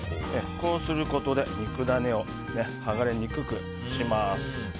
こうすることで肉ダネを剥がれにくくします。